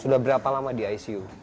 sudah berapa lama di icu